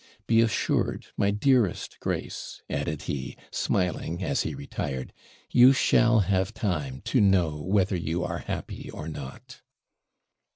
Be assured, my dearest Grace,' added he, smiling as he retired, 'you shall have time to know whether you are happy or not.'